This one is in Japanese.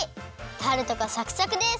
タルトがサクサクです！